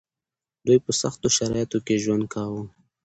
دوی په سختو شرايطو کې ژوند کاوه.